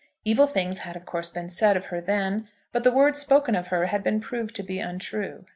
Evil things had of course been said of her then, but the words spoken of her had been proved to be untrue.